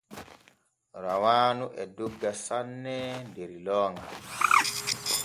Rawaanu e dogga sanne der looŋal.